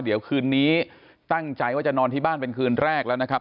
เดี๋ยวคืนนี้ตั้งใจว่าจะนอนที่บ้านเป็นคืนแรกแล้วนะครับ